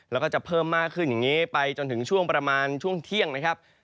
แล้วก็จะเพิ่มมากขึ้นอย่างนี้ไปจนถึงช่วงประมาณช่วงเที่ยงนะครับ